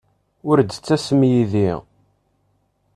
Ur d-ttasem yid-i?